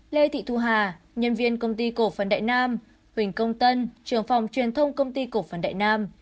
lê thị thu hà nhân viên công ty cổ phần đại nam huỳnh công tân trường phòng truyền thông công ty cổ phần đại nam